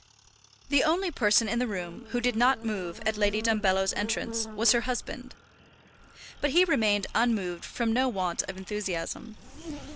The only person in the room who did not move at Lady Dumbello's entrance was her husband. But he remained unmoved from no want of enthusiasm.